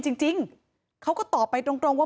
เหตุการณ์เกิดขึ้นแถวคลองแปดลำลูกกา